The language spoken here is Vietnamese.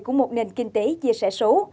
của một nền kinh tế chia sẻ số